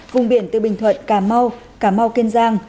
vùng biển từ bình thuận cà mau cà mau kiên giang